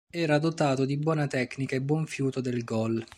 Era dotato di buona tecnica e buon fiuto del goal.